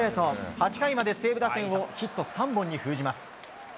８回まで西武打線をヒット３本に封じます。